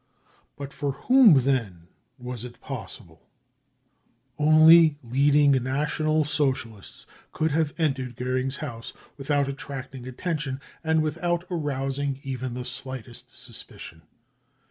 But for whom then was it possible ? Only leading National Socialists could have entered Goering's house without attracting attention and without arousing even the slightest suspicion.